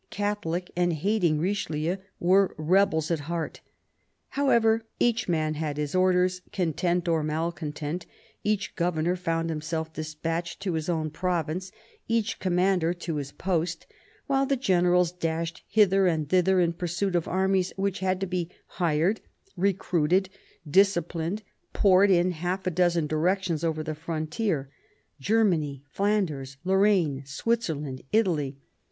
Catholic and hating Richelieu, were rebels at heart. However, each man had his orders : content or malcontent, each governor found himself dispatched to his own province, each commander to his post, while generals dashed hither and thither in pursuit of armies which had to be hired, recruited, disciplined, poured in half a dozen directions over the frontier — Germany, Flanders, Lorraine, Switzerland, Italy.